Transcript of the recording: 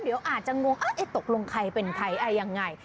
เดี๋ยวอาจจะงงตกลงใครเป็นใครอะไรยังไง